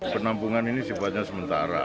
penampungan ini sifatnya sementara